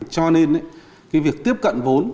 cho nên cái việc tiếp cận vốn